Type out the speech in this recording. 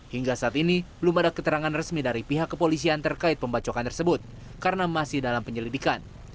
hingga saat ini belum ada keterangan resmi dari pihak kepolisian terkait pembacokan tersebut karena masih dalam penyelidikan